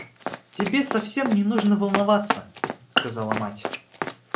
Тебе совсем не нужно волноваться, — сказала мать.